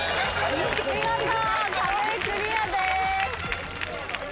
見事壁クリアです。